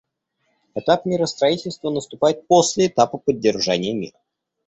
Этап миростроительства наступает после этапа поддержания мира.